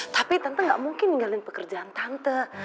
tapi tante gak mungkin ninggalin pekerjaan tante